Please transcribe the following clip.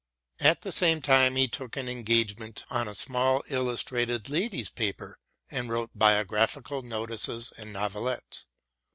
At the same time he took an engagement on a small illustrated ladies' paper and wrote biographical notices and novelettes.